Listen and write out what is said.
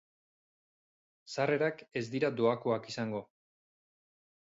Sarrerak ez dira doakoak izango.